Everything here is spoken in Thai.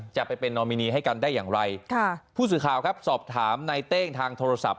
จะไปเป็นนอมินีให้กันได้อย่างไรค่ะผู้สื่อข่าวครับสอบถามในเต้งทางโทรศัพท์